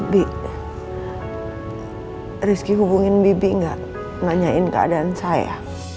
bi rizky hubungin bibi nggak nanyain keadaan saya